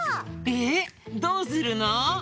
えっどうするの？